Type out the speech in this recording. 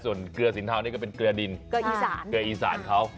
ส่วนเกลือสินเทานี่ก็เป็นเกลือดินเกลืออีสานเกลืออีสานเขา